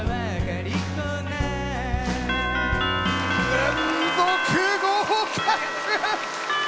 連続合格！